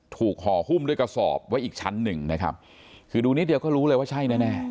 ห่อหุ้มด้วยกระสอบไว้อีกชั้นหนึ่งนะครับคือดูนิดเดียวก็รู้เลยว่าใช่แน่แน่